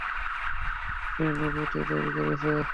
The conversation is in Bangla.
সে নবুওয়্যাতের দাবি করছে।